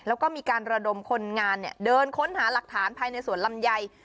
แล้วก็มีการระดมคนงานเดินค้นหาหลักฐานภายในสวนลำไย